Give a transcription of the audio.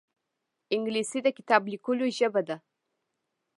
انګلیسي د کتاب لیکلو ژبه ده